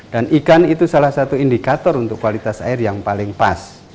dan ikan itu salah satu indikator untuk kualitas air yang paling pas